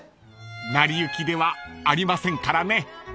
［『なりゆき』ではありませんからね］